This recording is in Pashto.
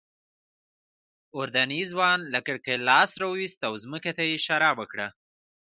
اردني ځوان له کړکۍ لاس راوویست او ځمکې ته یې اشاره وکړه.